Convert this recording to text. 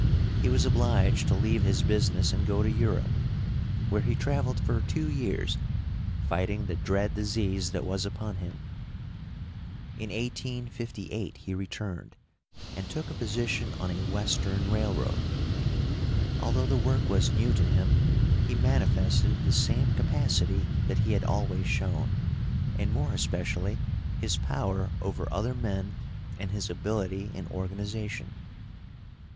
He was obliged to leave his business and go to Europe, where he traveled for two years, fighting the dread disease that was upon him. In 1858 he returned, and took a position on a Western railroad. Although the work was new to him, he manifested the same capacity that he had always shown, and more especially his power over other men and his ability in organization.